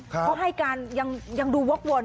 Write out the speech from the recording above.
เพราะให้การยังยังดูวกวน